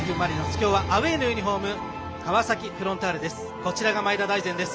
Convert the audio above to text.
きょうはアウェーのユニフォーム川崎フロンターレです。